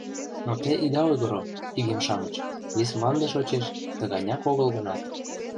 Но те ида ойгыро, игем-шамыч: вес Мланде шочеш, тыганяк огыл гынат.